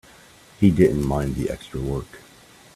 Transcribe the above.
He didn't mind the extra work.